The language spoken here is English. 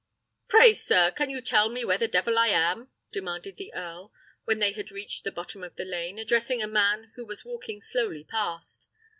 "Pray, sir, can you tell me where the devil I am?" demanded the earl, when they had reached the bottom of the lane, addressing a man who was walking slowly past.